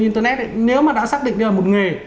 internet ấy nếu mà đã xác định là một nghề